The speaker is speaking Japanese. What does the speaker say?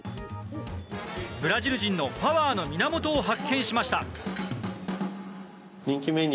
ブラジル人のパワーの源を発見しました。